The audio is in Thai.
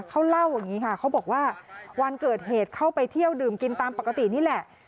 เขาเล่าอย่างนี้ค่ะเขาบอกว่าวันเกิดเหตุเข้าไปเที่ยวดื่มกินตามปกตินี่แหละ